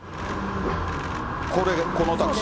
これ、このタクシー。